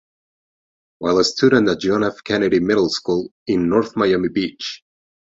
While a student at John F. Kennedy Middle School in North Miami Beach.